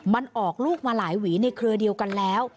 มันออกลูกมาหลายหวีในเครือเดียวกันแล้ว